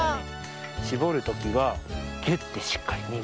しぼるときはぎゅってしっかりにぎります。